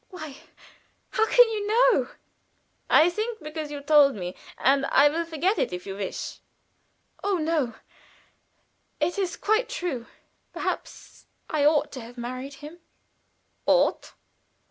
"Why, how can you know?" "I think, because you told me. But I will forget it if you wish." "Oh, no! It is quite true. Perhaps I ought to have married him." "Ought!"